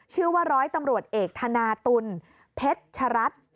ชื่อว่าร้อยตำรวจเอกธนาตุลเพชรัตน์